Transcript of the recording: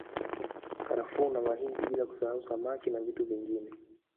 Karafuu na mahindi bila kusasahu samaki na vitu vingine